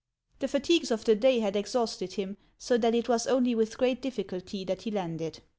The fatigues of the day had exhausted him, so that it was only with great difficulty that he lauded.